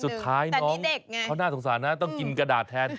สุดท้ายน้องเขาน่าสงสารนะต้องกินกระดาษแทน